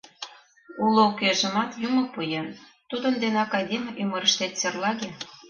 Уло-укежымат Юмо пуэн, тудын денак айдеме ӱмырыштет серлаге.